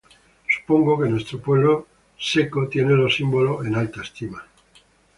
Supongo que nuestro pueblo ‹seco› tiene los símbolos en alta estima.